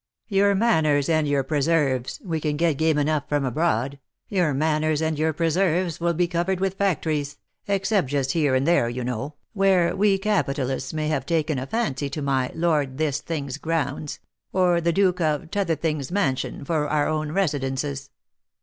Your manors and your preserves (we can get game enough from abroad), your manors and your preserves will be covered with factories, except just here and there, you know, where we capitalists may have taken a fancy to my Lord This thing's grounds, or the Duke of T'other thing's mansion, for our own residences.